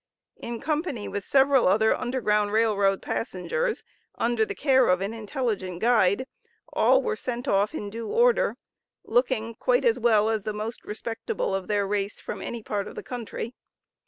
In company with several other Underground Rail Road passengers, under the care of an intelligent guide, all were sent off in due order, looking quite as well as the most respectable of their race from any part of the country.